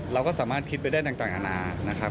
เราก็สามารถคิดไปได้ต่างอาณานะครับ